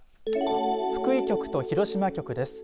福井局と広島局です。